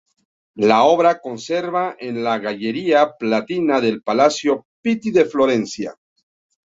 La obra se conserva en la Galleria Palatina del Palacio Pitti de Florencia.